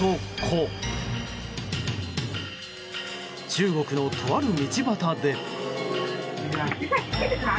中国の、とある道端で。